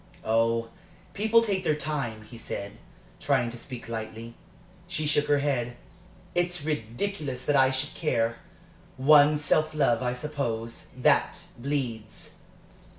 "Oh, people take their time," he said, trying to speak lightly. She shook her head. "It's ridiculous that I should care. One's self love, I suppose that bleeds!